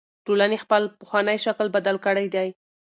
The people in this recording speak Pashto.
ټولنې خپل پخوانی شکل بدل کړی دی.